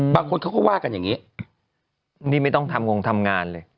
บางคนเขาก็ว่ากันอย่างนี้นี่ไม่ต้องทำงงทำงานเลย